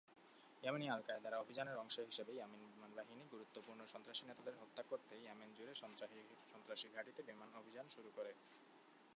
Yemeni আল-কায়েদার অভিযানের অংশ হিসেবে ইয়েমেনের বিমানবাহিনী গুরুত্বপূর্ণ সন্ত্রাসী নেতাদের হত্যা করতে ইয়েমেন জুড়ে সন্ত্রাসী ঘাঁটিতে বিমান অভিযান শুরু করে।